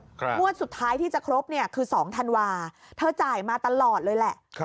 งวดสุดท้ายที่จะครบเนี่ยคือ๒ธันวาเธอจ่ายมาตลอดเลยแหละ